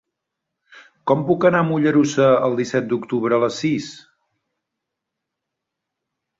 Com puc anar a Mollerussa el disset d'octubre a les sis?